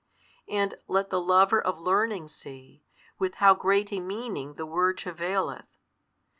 And let the lover of learning see, with how great a meaning the word travaileth.